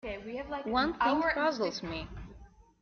One thing puzzles me.